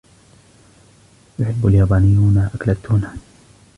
يحبّ اليابانيّون أكل التونا.